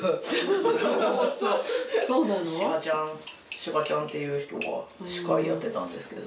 志賀ちゃんっていう人が司会やってたんですけど。